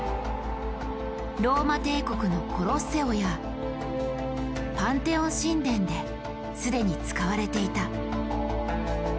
ローマ帝国のコロッセオやパンテオン神殿ですでに使われていた。